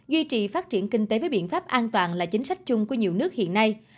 duy trì phát triển kinh tế với biện pháp an toàn là chính sách chung của nhiều nước hiện nay